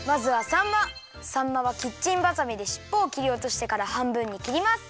さんまはキッチンばさみでしっぽをきりおとしてからはんぶんにきります。